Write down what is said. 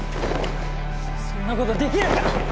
そんなことできるか！